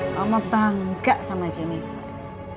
mama bangga sama jennifer